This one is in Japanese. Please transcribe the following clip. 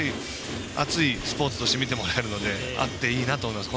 熱いスポーツとして見てもらえるのであっていいなと思います。